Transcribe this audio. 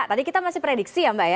tadi kita masih prediksi ya mbak ya